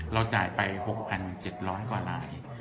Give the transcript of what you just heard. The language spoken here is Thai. เราจ่ายไปหกพันเจ็ดร้อยกว่าลายอืม